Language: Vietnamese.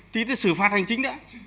thì sẽ xử phạt hành chính đấy